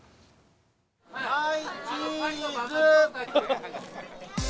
はい、チーズ。